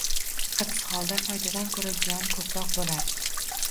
Aks holda, foydadan ko`ra ziyoni ko`proq bo`ladi